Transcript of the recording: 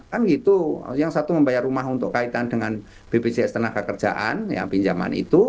kan gitu yang satu membayar rumah untuk kaitan dengan bpjs tenaga kerjaan yang pinjaman itu